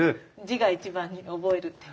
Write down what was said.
字が一番に覚えるって。